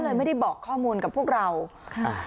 เลยไม่ได้บอกข้อมูลกับพวกเราค่ะ